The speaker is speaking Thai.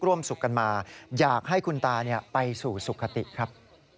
ร่วมสุขกันมาอยากให้คุณตาไปสู่สุขติครับ